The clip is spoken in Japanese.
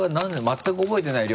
全く覚えてない？